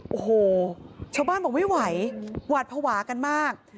โอ้โหชาวบ้านบอกไม่ไหวหวาดภาวะกันมาก